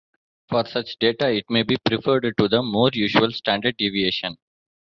For such data, it may be preferred to the more usual standard deviation.